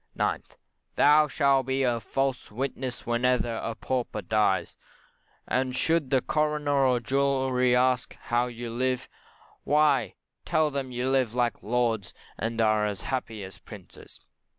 9th, Thou shalt be a false witness whenever a Pauper dies, and should the coroner or jury ask you how you live, why tell them you live like lords, and are as happy as princes.